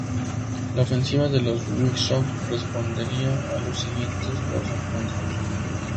La ofensiva de los White Sox respondería en los siguientes dos encuentros.